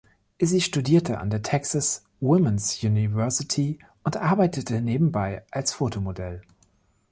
Sie studierte an der "Texas Woman's University" und arbeitete nebenbei als Fotomodell.